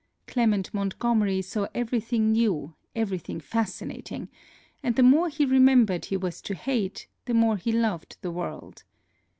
Clement Montgomery saw every thing new, every thing fascinating; and the more he remembered he was to hate, the more he loved the world.